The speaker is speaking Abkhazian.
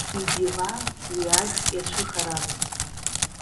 Идиван уи ашә иацәыхарамызт.